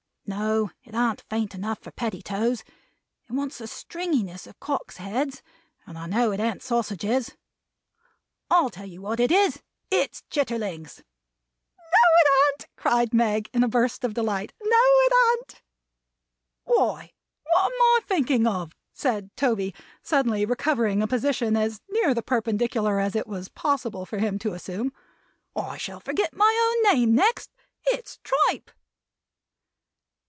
No. It an't faint enough for pettitoes. It wants the stringiness of Cocks' heads. And I know it an't sausages. I'll tell you what it is. It's chitterlings!" "No, it an't!" cried Meg, in a burst of delight "No, it an't!" "Why, what am I a thinking of!" said Toby, suddenly recovering a position as near the perpendicular as it was possible for him to assume. "I shall forget my own name next. It's tripe!"